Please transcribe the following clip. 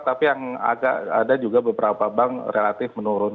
tapi ada juga beberapa bank relatif menurun